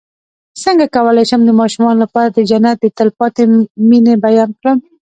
څنګه کولی شم د ماشومانو لپاره د جنت د تل پاتې مینې بیان کړم